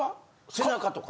背中とか。